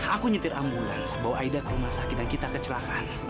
aku nyetir ambulans bawa aida ke rumah sakit dan kita kecelakaan